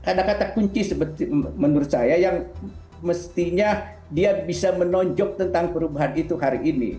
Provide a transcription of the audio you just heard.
ada kata kunci menurut saya yang mestinya dia bisa menonjok tentang perubahan itu hari ini